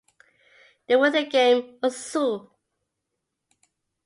The rhythm game osu!